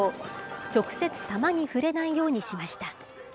直接玉に触れないようにしました。